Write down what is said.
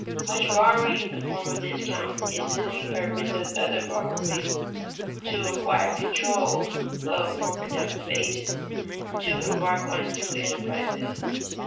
Much borrowing in the form of discount is for the same purpose as other borrowing to acquire control of more productive agents, to embark on new enterprises.